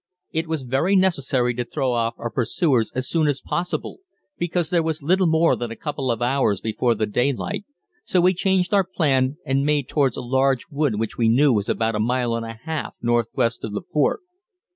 It was very necessary to throw off our pursuers as soon as possible, because there was little more than a couple of hours before the daylight, so we changed our plan and made towards a large wood which we knew was about a mile and a half northwest of the fort.